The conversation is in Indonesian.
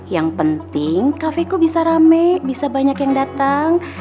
yang penting kafeku bisa rame bisa banyak yang datang